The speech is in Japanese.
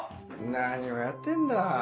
何をやってんだ。